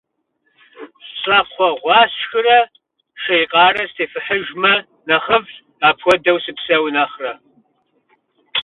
Щӏакхъуэ гъуа сшхырэ шей къарэ сытефыхьыжмэ нэхъыфӏщ, апхуэдэу сыпсэу нэхърэ.